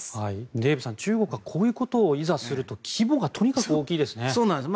デーブさん、中国はこういうことをいざすると規模がとにかく大きいですね。